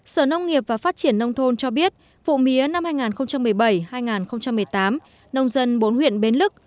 sở nông nghiệp và phát triển nông thôn cho biết vụ mía năm hai nghìn một mươi bảy hai nghìn một mươi tám nông dân bốn huyện bến lức